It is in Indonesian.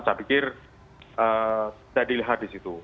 saya pikir tidak dilihat di situ